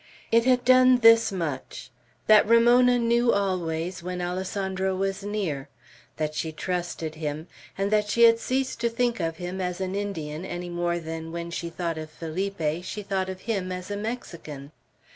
It had done this much, that Ramona knew always when Alessandro was near, that she trusted him, and that she had ceased to think of him as an Indian any more than when she thought of Felipe, she thought of him as a Mexican.